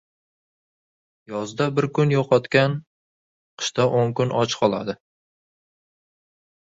• Yozda bir kun yo‘qotgan qishda o‘n kun och qoladi.